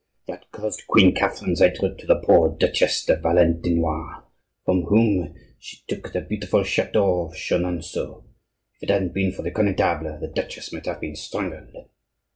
That caused Queen Catherine's hatred to the poor Duchesse de Valentinois, from whom she took the beautiful chateau of Chenonceaux. If it hadn't been for the Connetable, the duchess might have been strangled.